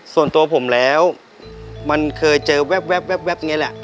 ส่วนตัวผมแล้วมันเคยเจอแวบแวบแวบเนี่ยแหละ